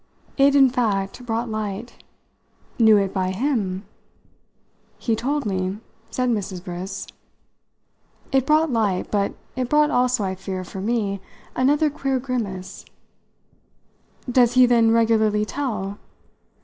It in fact brought light. "Knew it by him?" "He told me," said Mrs. Briss. It brought light, but it brought also, I fear, for me, another queer grimace. "Does he then regularly tell?"